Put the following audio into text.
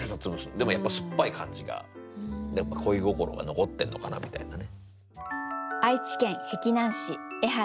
でもやっぱ酸っぱい感じがやっぱ恋心が残ってんのかなみたいなね。